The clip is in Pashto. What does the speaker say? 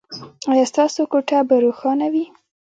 ایا ستاسو کوټه به روښانه وي؟